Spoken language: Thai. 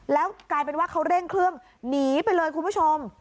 แล้วกลายเป็นว่าเขาเร่งเครื่องหนีไปเลยคุณผู้ชม